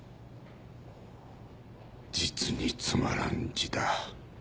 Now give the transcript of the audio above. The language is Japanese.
実につまらん字だ。